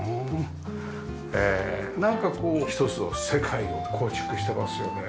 なんかこう一つの世界を構築してますよね。